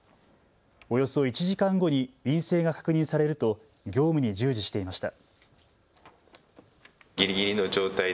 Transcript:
およそ１時間後に陰性が確認されると業務に従事していました。